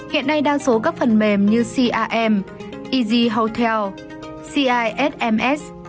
hiện nay đa số các phần mềm như carm easy hotel cisms